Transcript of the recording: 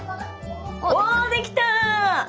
おおできた！